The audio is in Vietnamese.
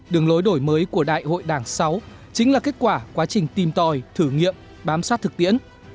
đường lối đổi mới của đại hội đảng sáu chính là kết quả quá trình tìm tòi thử nghiệm bám sát thực tiễn